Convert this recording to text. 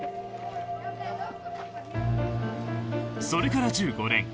それから１５年。